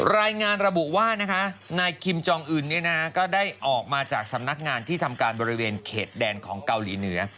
รายงานระบุว่านะคะนายคิมจองอื่นก็ได้ออกมาจากสำนักงานที่ทำการบริเวณเขตแดนของเกาหลีเหนือ